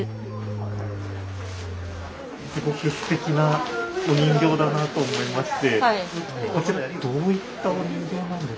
すごくすてきなお人形だなと思いまして。